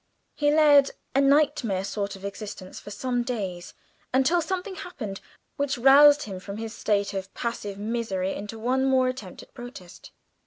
He led a nightmare sort of existence for some days, until something happened which roused him from his state of passive misery into one more attempt at protest.